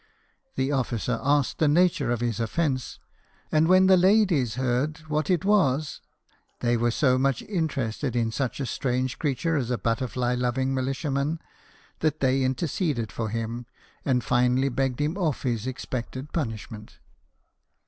The officer asked the nature of his offence, and when the ladies heard what it was they were so much interested in such a 174 BIOGRAPHIES OF WORKING MEN. strange creature as a butterfly loving militiaman, that they interceded for him, and finally begged him off his expected punishment.